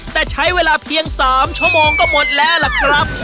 แต่ใช้เวลาเพียง๓ชั่วโมงก็หมดแล้วล่ะครับ